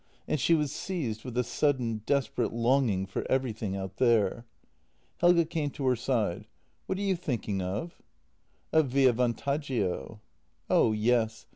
And she was seized with a sudden, desperate longing for every thing out there. Helge came to her side :" What are you thinking of? "" Of Via Vantaggio." " Oh yes.